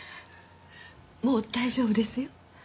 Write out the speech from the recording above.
もう大丈夫ですよ。